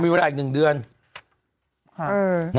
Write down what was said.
มีเวลาอีก๑เดือน